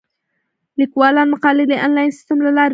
لیکوالان مقالې د انلاین سیستم له لارې سپاري.